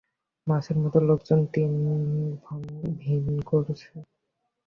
মাছির মতো লোকজন তন- ভিন্ন করছে!